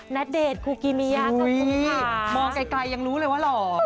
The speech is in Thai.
พี่ณเดชน์คุกิเมียกับคุณค่ะอุ้ยมองไกลยังรู้เลยว่าหล่อ